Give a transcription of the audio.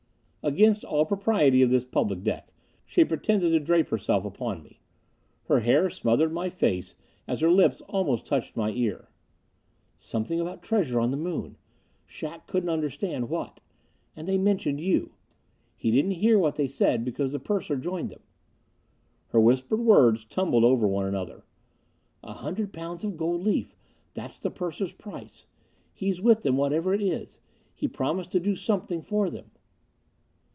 Against all propriety of this public deck she pretended to drape herself upon me. Her hair smothered my face as her lips almost touched my ear. "Something about treasure on the moon Shac couldn't understand what. And they mentioned you. He didn't hear what they said because the purser joined them." Her whispered words tumbled over one another. "A hundred pounds of gold leaf that's the purser's price. He's with them, whatever it is. He promised to do something for them."